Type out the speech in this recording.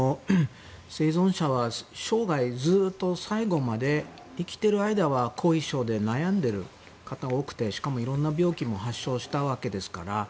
生存者は生涯、ずっと最後まで生きている間は後遺症で悩んでいる方が多くてしかも、いろんな病気も発症したわけですから。